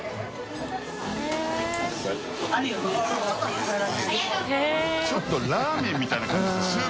圍函ちょっとラーメンみたいな感じする。